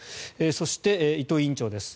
そして、伊藤院長です。